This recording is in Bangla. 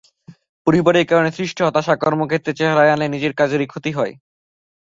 পরিবারের কারণে সৃষ্ট হতাশা কর্মক্ষেত্রে চেহারায় আনলে নিজের কাজেরই ক্ষতি হয়।